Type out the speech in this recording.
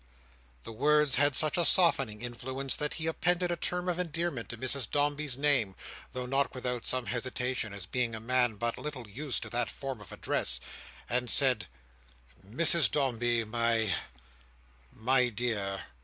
The words had such a softening influence, that he appended a term of endearment to Mrs Dombey's name (though not without some hesitation, as being a man but little used to that form of address): and said, "Mrs Dombey, my—my dear."